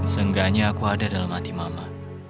seenggaknya aku ada dalam hati mama